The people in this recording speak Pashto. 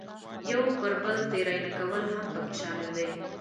یو پر بل تېری نه کول هم پکې شامل دي.